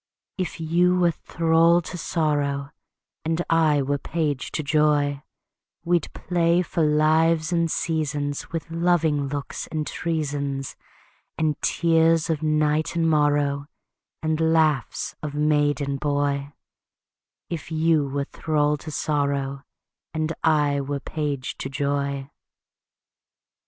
If you were thrall to sorrow, And I were page to joy, We'd play for lives and seasons With loving looks and treasons And tears of night and morrow And laughs of maid and boy; If you were thrall to sorrow, And I were page to joy.